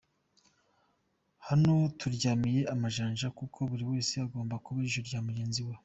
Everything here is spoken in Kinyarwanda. Hano turyamiye amajanja kuko buri wese agomba kuba ijisho rya mugenzi we’’